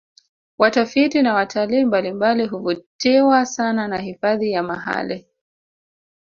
Watafiti na watalii mbalimbali huvutiwa sana na hifadhi ya mahale